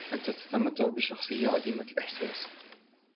أنت تتمتع بشخصية عديمة الإحساس.